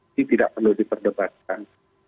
ini tidak perlu diperdebatkan